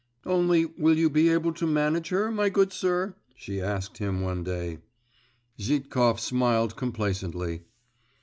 'Only, will you be able to manage her, my good sir?' she asked him one day. Zhitkov smiled complacently.